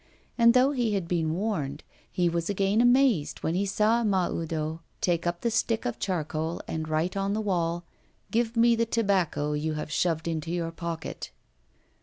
And though he had been warned, he was again amazed when he saw Mahoudeau take up the stick of charcoal and write on the wall: 'Give me the tobacco you have shoved into your pocket.